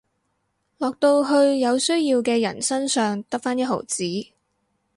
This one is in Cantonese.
落到去有需要嘅人身上得返一毫子